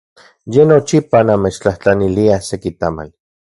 Ye nochipa namechtlajtlanilia seki tamali.